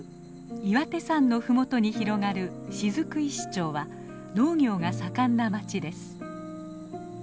岩手山の麓に広がる雫石町は農業が盛んな町です。